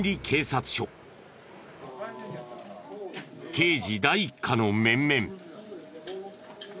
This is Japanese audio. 刑事第一課の面々。